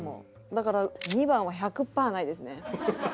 だから２番は１００パーないですね。